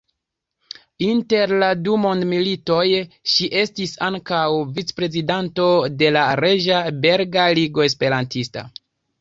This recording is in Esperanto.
Inter la du mondmilitoj ŝi estis ankaŭ vicprezidanto de la Reĝa Belga Ligo Esperantista.